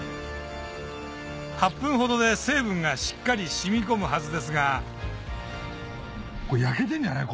８分ほどで成分がしっかり染み込むはずですがこれ焼けてんじゃない？